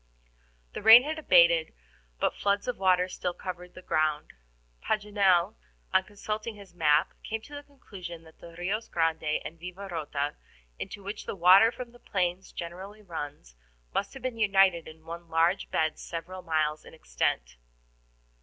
The rain had abated, but floods of water still covered the ground. Paganel, on consulting his map, came to the conclusion that the RIOS Grande and Vivarota, into which the water from the plains generally runs, must have been united in one large bed several miles in extent.